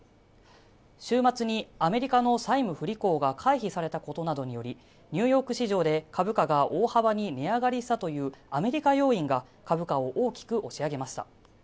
週末にアメリカの債務不履行が回避されたことなどにより、ニューヨーク市場で株価が大幅に値上がりしたというアメリカ要因が株価を大きく押し上げました。